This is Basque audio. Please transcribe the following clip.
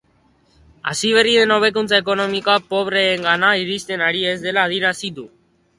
Hasi berri den hobekuntza ekonomikoa pobreengana iristen ari ez dela adierazi du.